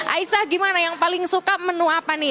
aisah gimana yang paling suka menu apa nih